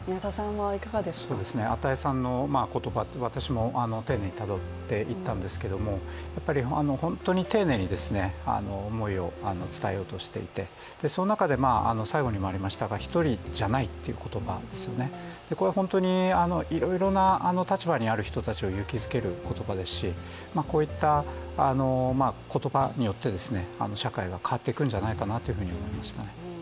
與さんの言葉、私も丁寧にたどっていったんですけれども、本当に丁寧に思いを伝えようとしていてその中で最後にもありましたが１人じゃないという言葉ですよね、これは本当にいろいろな立場にある人たちを勇気づける言葉ですしこういった言葉によって社会が変わっていくんじゃないかなと思いますね。